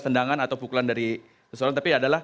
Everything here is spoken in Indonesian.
sendangan atau pukulan dari seseorang tapi